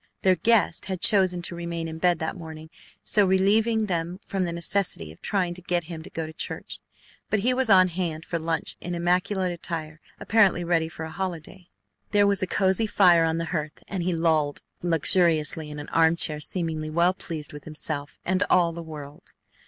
Their guest had chosen to remain in bed that morning, so relieving them from the necessity of trying to get him to go to church, but he was on hand for lunch in immaculate attire, apparently ready for a holiday. There was a cozy fire on the hearth, and he lolled luxuriously in an arm chair seemingly well pleased with himself and all the world.